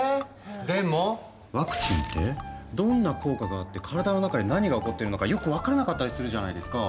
でもワクチンってどんな効果があって体の中で何が起こってるのかよく分からなかったりするじゃないですか。